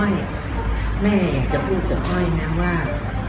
แม่อยากจะพูดกับอ้อยนะว่า